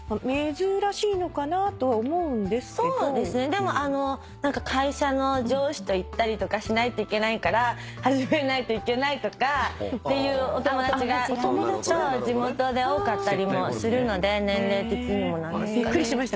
でも会社の上司と行ったりとかしないといけないから始めないといけないとかっていうお友達と地元で多かったりもするので年齢的にも。びっくりしました。